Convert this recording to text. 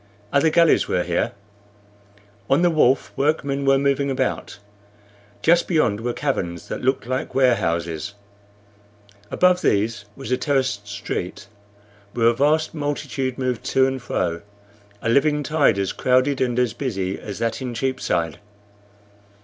Other galleys were here. On the wharf workmen were moving about. Just beyond were caverns that looked like warehouses. Above these was a terraced street, where a vast multitude moved to and fro a living tide as crowded and as busy as that in Cheapside.